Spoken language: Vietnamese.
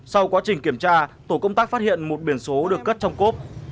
sau quá trình kiểm tra tổ công tác phát hiện một biển số được cất trong cốp